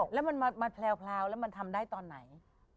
แล้วมันมาแพลวแล้วมันทำได้ตอนไหน